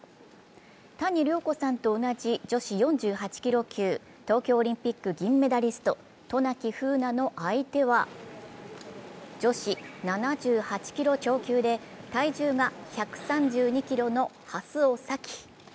谷亮子さんと同じ女子４８ｋｇ級、東京オリンピック銀メダリスト、渡名喜風南の相手は女子７８ｋｇ超級で体重が１３２ｋｇの蓮尾沙樹。